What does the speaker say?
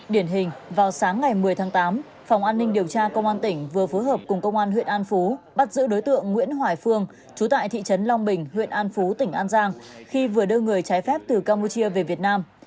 điển hình vào sáng ngày một mươi tháng tám phòng an ninh điều tra công an tỉnh vừa phối hợp cùng công an huyện an phú bắt giữ đối tượng nguyễn hoài phương chú tại thị trấn long bình huyện an phú tỉnh an giang khi vừa đưa người trái phép từ campuchia về việt nam